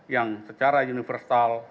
yang secara universal